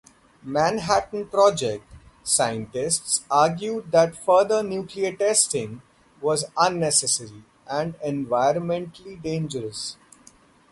Manhattan Project scientists argued that further nuclear testing was unnecessary and environmentally dangerous.